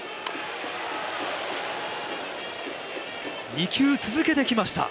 ２球続けてきました。